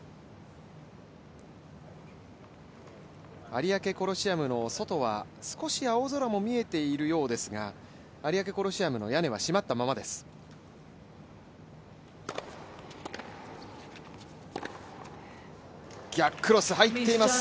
有明コロシアムの外は少し青空も見えているようですが、有明コロシアムの屋根は閉まったままです。